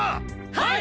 はい！